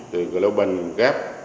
rồi global gap